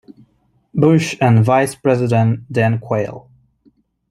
Bush and Vice President Dan Quayle.